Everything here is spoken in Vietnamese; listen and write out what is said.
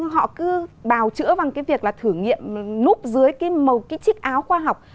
họ cứ bào chữa bằng cái việc là thử nghiệm núp dưới cái chiếc áo khoa học